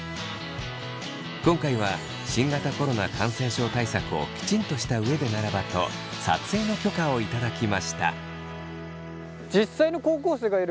今回は新型コロナ感染症対策をきちんとした上でならばと撮影の許可を頂きました。